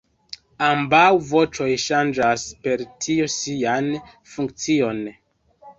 Ambaŭ voĉoj ŝanĝas per tio sian funkcion.